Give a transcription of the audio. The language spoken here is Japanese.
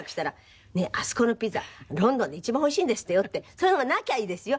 そういうのがなきゃいいですよ。